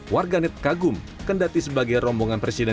warganet kagum kendati sebagai rombongan presiden